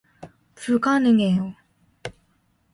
불가능해요.